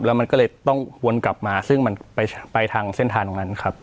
แล้วมันก็เลยต้องวนกลับมาซึ่งมันไปทางเส้นทางตรงนั้นครับ